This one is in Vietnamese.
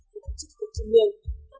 nếu có tổ chức đón thách người đàn quỷ mão